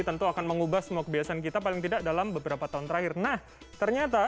tentu akan mengubah semua kebiasaan kita paling tidak dalam beberapa tahun terakhir nah ternyata